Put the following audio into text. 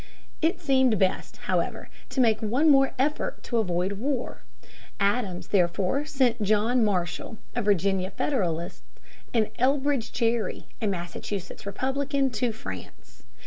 It seemed best, however, to make one more effort to avoid war. Adams therefore sent John Marshall, a Virginia Federalist, and Elbridge Gerry, a Massachusetts Republican, to France.